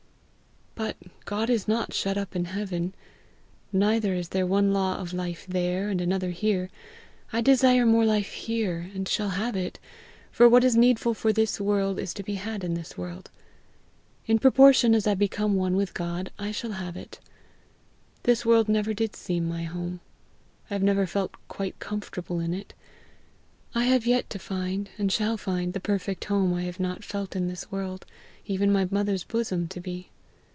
But God is not shut up in heaven, neither is there one law of life there and another here; I desire more life here, and shall have it, for what is needful for this world is to be had in this world. In proportion as I become one with God, I shall have it. This world never did seem my home; I have never felt quite comfortable in it; I have yet to find, and shall find the perfect home I have not felt this world, even my mother's bosom to be.